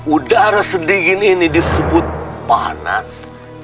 udara sedingin ini disebut panas